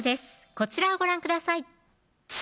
こちらをご覧ください